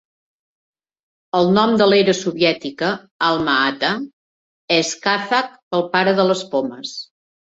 El nom de l'era soviètica, Alma-Ata, és kazakh pel "pare de les pomes".